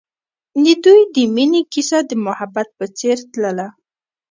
د دوی د مینې کیسه د محبت په څېر تلله.